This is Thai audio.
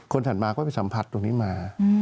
ถัดมาก็ไปสัมผัสตรงนี้มา